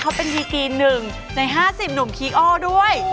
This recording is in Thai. เขาเป็นตีกรีนหนึ่งในห้าสิบหนุ่มคอด่วนด้วย